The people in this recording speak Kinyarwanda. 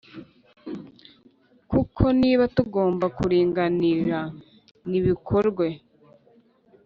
kuko niba tugomba kuringanira, nibikorwe